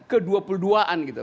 kedua puluh duaan gitu